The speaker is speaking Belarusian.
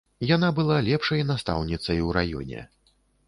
Яна была лепшай настаўніцай у раёне.